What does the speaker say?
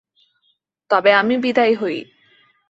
তবে আমি বিদায় হই।